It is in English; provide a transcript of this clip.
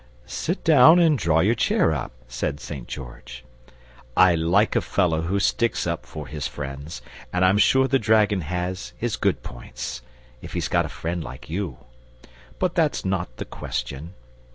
"Sit down, and draw your chair up," said St. George. "I like a fellow who sticks up for his friends, and I'm sure the dragon has his good points, if he's got a friend like you. But that's not the question.